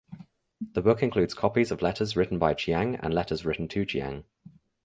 The book includes copies of letters written by Chiang and letters written to Chiang.